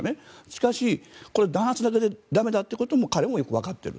しかし、これは弾圧が駄目だということも彼はよくわかっている。